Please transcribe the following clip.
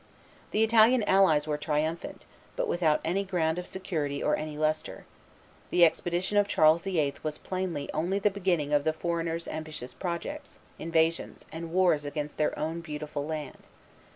The Italian allies were triumphant, but without any ground of security or any lustre; the expedition of Charles VIII. was plainly only the beginning of the foreigner's ambitious projects, invasions and wars against their own beautiful land.